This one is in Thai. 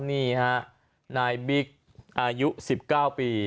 นี่ฮะนายบิ๊กอายุ๑๙ปี